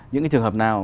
những cái trường hợp nào